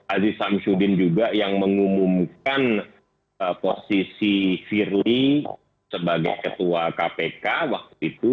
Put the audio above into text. aziz samsudin juga yang mengumumkan posisi firly sebagai ketua kpk waktu itu